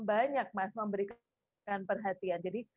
banyak mas memberikan perhatian jadi